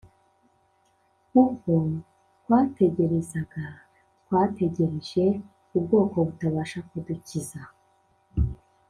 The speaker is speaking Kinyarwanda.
Ubwo twategerezaga, Twategereje ubwoko butabasha kudukiza.